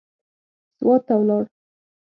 سوات ته ولاړ.